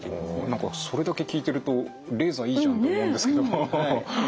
何かそれだけ聞いてるとレーザーいいじゃんと思うんですけどもフフフ。